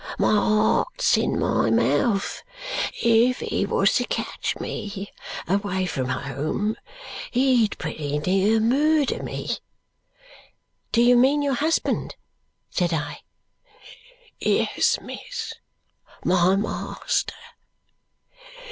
My heart's in my mouth. If he was to catch me away from home, he'd pretty near murder me." "Do you mean your husband?" said I. "Yes, miss, my master.